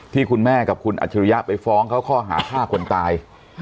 ที่คุณแม่กับคุณอัจฉริยะไปฟ้องเขาข้อหาฆ่าคนตาย